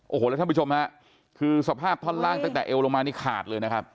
โอ้โหแล้วท่านผู้ชมฮะคือสภาพท่อนล่างตั้งแต่เอวลงมานี่ขาดเลยนะครับ